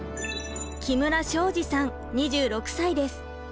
木村昇治さん２６歳です。